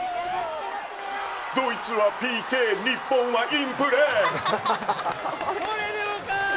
ドイツはＰＫ日本はインプレー。